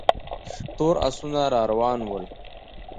تور آسونه را روان ول.